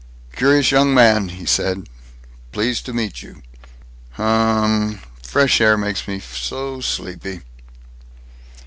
"Curious young man. He said, 'Pleased to meet you.'" "Huuuuhhm! Fresh air makes me so sleepy."